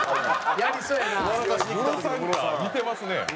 似てますね。